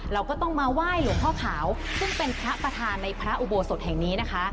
เราก็ต้องมาไหว้หลวงพ่อขาวซึ่งเป็นพระประธานในพระอุโบสถแห่งนี้นะคะ